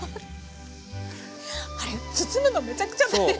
あれ包むのめちゃくちゃ大変なのに。